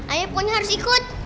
ayah pokoknya harus ikut